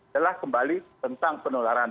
jelas kembali tentang penularan